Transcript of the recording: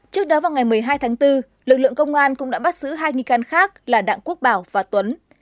trước đó vào ngày một mươi hai tháng bốn lực lượng công an cũng đã bắt giữ hai nghi can khác là đặng quốc bảo và tuấn